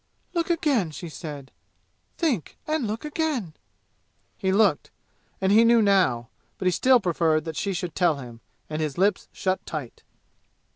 "Look again!" she said. "Think and look again!" He looked, and he knew now. But he still preferred that she should tell him, and his lips shut tight.